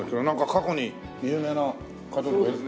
なんか過去に有名な方とか。